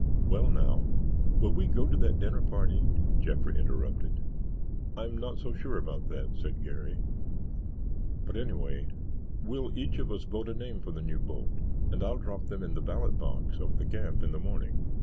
"Well, now——" "Will we go to that dinner party?" Jeffrey interrupted. "I'm not so sure about that," said Garry, "but anyway, we'll each of us vote a name for the new boat and I'll drop them in the ballot box up at camp in the morning.